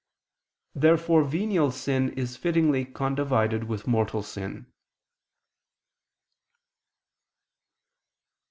Therefore venial sin is fittingly condivided with mortal sin.